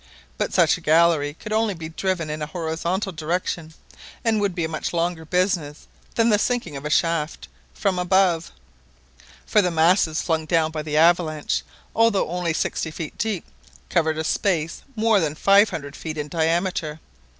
But such a gallery could only be driven in a horizontal direction, and would be a much longer business than the sinking of a shaft from above, for the masses flung down by the avalanche, although only sixty feet deep, covered a space more than five hundred feet in diameter.